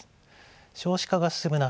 少子化が進む中